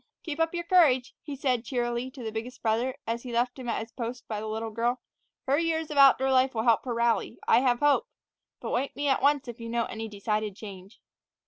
"Keep up your courage," he said cheerily to the biggest brother, as he left him at his post by the little girl; "her years of outdoor life will help her rally. I have hope; but wake me at once if you note any decided change."